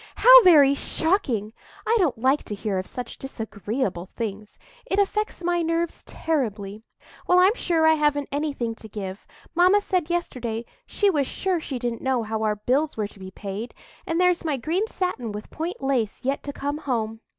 "How very shocking! I don't like to hear of such disagreeable things; it affects my nerves terribly. Well, I'm sure I haven't anything to give. Mamma said yesterday she was sure she didn't know how our bills were to be paid; and there's my green satin with point lace yet to come home."